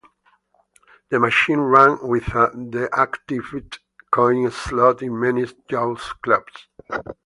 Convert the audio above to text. The machine ran with a deactivated coin slot in many youth clubs.